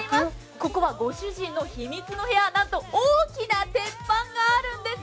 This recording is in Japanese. ここはご主人の秘密の部屋、なんと大きな鉄板があるんです。